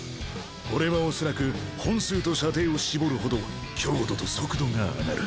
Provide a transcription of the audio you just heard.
これはおそらく本数と射程を絞るほど強度と速度が上がる。